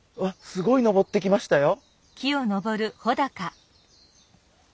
すごい登っていきましたよ！